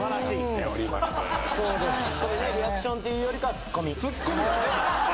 リアクションというよりかはツッコミ。